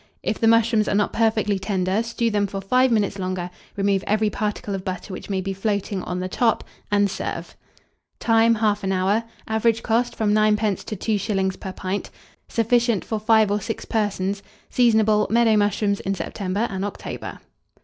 If the mushrooms are not perfectly tender, stew them for 5 minutes longer, remove every particle of butter which may be floating on the top, and serve. Time. 1/2 hour. Average cost, from 9d. to 2s. per pint. Sufficient for 5 or 6 persons. Seasonable. Meadow mushrooms in September and October.